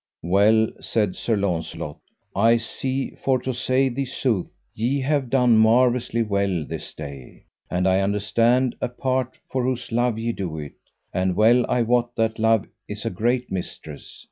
Well, said Sir Launcelot, I see, for to say thee sooth, ye have done marvellously well this day; and I understand a part for whose love ye do it, and well I wot that love is a great mistress.